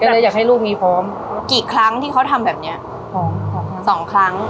ก็เลยอยากให้ลูกมีพร้อมกี่ครั้งที่เขาทำแบบเนี้ยพร้อมสองครั้ง